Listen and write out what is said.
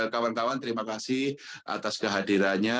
kawan kawan terima kasih atas kehadirannya